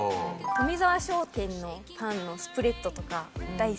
富澤商店のパンのスプレッドとか大好きで。